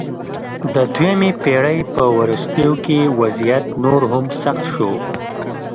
د دویمې پېړۍ په وروستیو کې وضعیت نور هم سخت شو